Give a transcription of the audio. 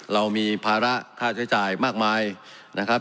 เรามีภาระค่าใช้จ่ายมากมายนะครับ